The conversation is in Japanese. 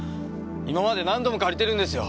今まで何度も借りてるんですよ！？